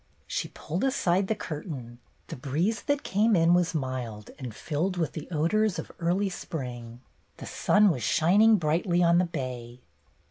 She pulled aside the curtain. The breeze that came in was mild and filled with the odors of early spring. The sun was shining brightly on the bay.